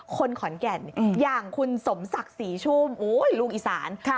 คนขอนแก่นอย่างคุณสมศักดิ์ศรีชุ่มโอ้ยลุงอีสาน